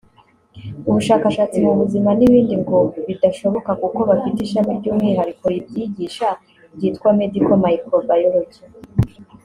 ubushakashatsi mu buzima n’ibindi ngo bidashoboka kuko bafite ishami ry’umwihariko ribyigisha ryitwa Medical Microbiology